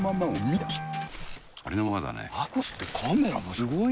すごい！